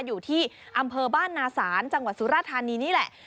อยู่ที่อำเภอบ้านนาศาลจังหวัดสุราธานีนี่แหละ